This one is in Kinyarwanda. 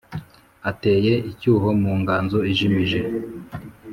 Ateye icyuho mu nganzo ijimije